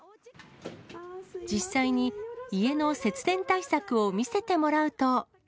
実際に家の節電対策を見せてもらうと。